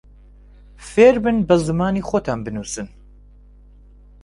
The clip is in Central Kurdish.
فێربن بە زمانی خۆتان بنووسن